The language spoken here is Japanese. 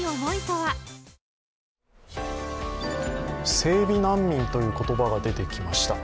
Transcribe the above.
整備難民という言葉が出てきました。